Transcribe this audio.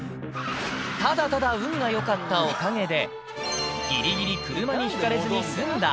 ただただ運がよかったおかげで、ぎりぎり車にひかれずに済んだ。